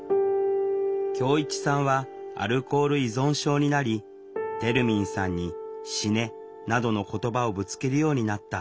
恭一さんはアルコール依存症になりてるみんさんに「死ね」などの言葉をぶつけるようになった。